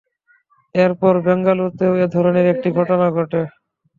এরপর বেঙ্গালুরুতেও এ ধরনের একটি ঘটনা ঘটে।